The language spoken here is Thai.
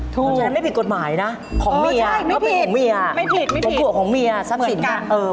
ถูกเหมือนฉันไม่ผิดกดหมายนะของเมียเขาเป็นของเมียโบก่วของเมีย